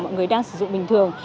mọi người đang sử dụng bình thường